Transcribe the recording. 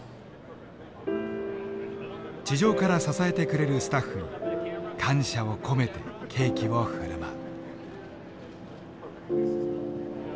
地上から支えてくれるスタッフに感謝を込めてケーキを振る舞う。